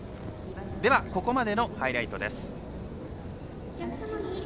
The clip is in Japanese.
ではここまでのハイライトです。